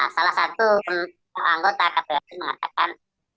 salah satu anggota kpu ri mengatakan